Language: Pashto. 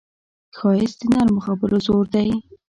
ښایست د نرمو خبرو زور دی